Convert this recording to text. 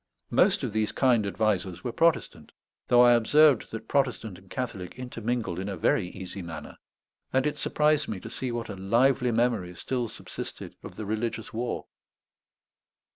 Most of these kind advisers were Protestant, though I observed that Protestant and Catholic intermingled in a very easy manner; and it surprised me to see what a lively memory still subsisted of the religious war.